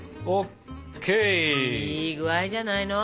いい具合じゃないの？